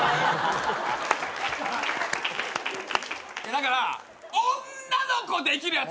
だから女の子できるやつね！